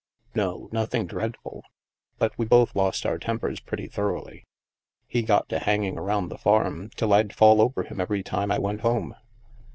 "" No, nothing dreadful, but we both lost our tempers pretty thoroughly. He got to hanging around the farm till I'd fall over him every time I went home.